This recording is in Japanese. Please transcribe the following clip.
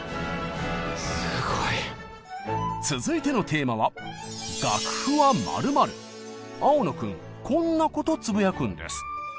すごい。続いてのテーマは青野君こんなことつぶやくんです。